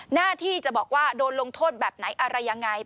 หน้าที่จะบอกว่าโดนลงโทษแบบไหนอะไรยังไง